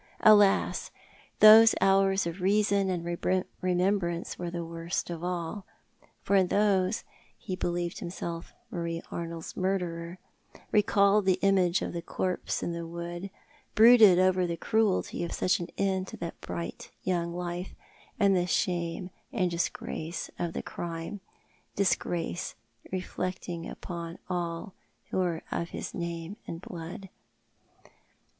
Alas! those hours of reason and remembrance were the worst of all, for in those he believed himself Marie Arnold's murderer, recalled the image of the corpse in the wood, brooded over the cruelty of such an end to that bright young life, and the shame and disgrace of the crime— disgrace reflecting upon all who were of his name and blood.